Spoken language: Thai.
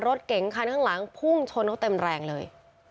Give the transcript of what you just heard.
รถเก๋งคันข้างหลังพุ่งชนเขาเต็มแรงเลย